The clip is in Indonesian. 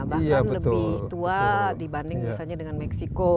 bahkan lebih tua dibanding misalnya dengan meksiko